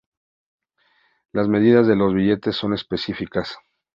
Las medidas de los billetes son específicas.